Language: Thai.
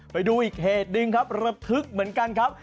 ไปดูอีกเหตุหนึ่งครับระทึกเหมือนกันครับ